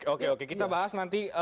oke oke kita bahas nanti